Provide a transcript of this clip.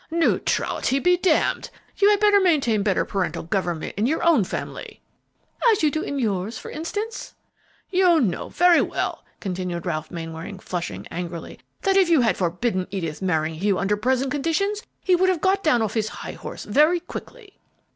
"Neutrality be damned! you had better maintain better parental government in your own family!" "As you do in yours, for instance." "You know very well," continued Ralph Mainwaring, flushing angrily, "that if you had forbidden Edith marrying Hugh under present conditions, he would have got down off his high horse very quickly."